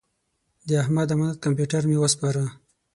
د احمد امانت کمپیوټر مې وسپاره.